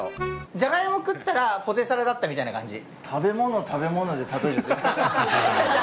じゃがいも食べたらポテサラだったみたいな感じで。